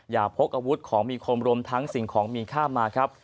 พกอาวุธของมีคมรวมทั้งสิ่งของมีค่ามาครับ